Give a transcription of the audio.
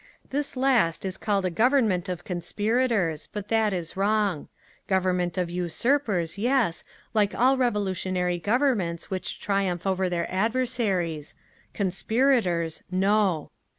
"This last is called a Government of Conspirators, but that is wrong. Government of usurpers, yes, like all revolutionary Governments which triumph over their adversaries. Conspirators—no!